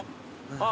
あっ！